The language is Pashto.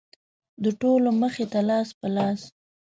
د ټولو مخې ته لاس په لاس.